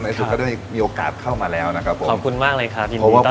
ในสุดก็ได้มีโอกาสเข้ามาแล้วนะครับผมขอบคุณมากเลยครับยินดีต้อนรับครับ